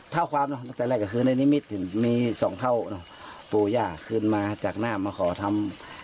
เท่าความหลังใจอะไรก็คือในนี้มิดมีสองเท่าพูย่าขึ้นมาจากหน้ามาขอทำ